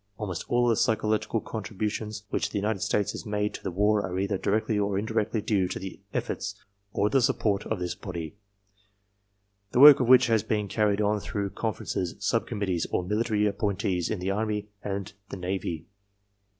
Almost all of the psychological contribu tions which the United States has made to the war are either directly or indirectly due to the efforts or the support of this body, the work of which has been carried on through confer ences, sub conmaittees, or military appointees in the army and \ the navy.